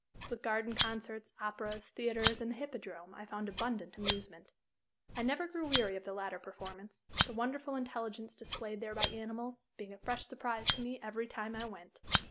With garden concerts, operas, theaters, and the Hippodrome I found abundant amusement. I never grew weary of the latter performance the wonderful intelligence displayed there by animals, being a fresh surprise to me every time I went.